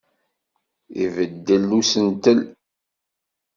I ubeddel n usentel.